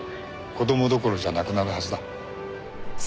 子供どころじゃなくなるはずだ。